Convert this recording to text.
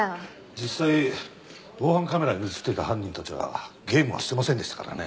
実際防犯カメラに映っていた犯人たちはゲームはしてませんでしたからね。